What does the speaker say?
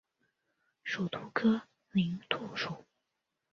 属兔科林兔属。